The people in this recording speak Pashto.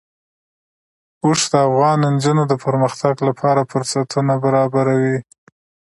اوښ د افغان نجونو د پرمختګ لپاره فرصتونه برابروي.